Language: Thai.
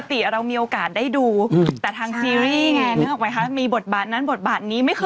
สามารถให้สองคนเป็นคนสัมภาษณ์เขาก็ตื่นเต้นจะมาก